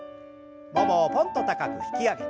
ももをぽんと高く引き上げて。